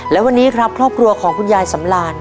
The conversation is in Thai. และวันนี้ครับครอบครัวของคุณยายสำราน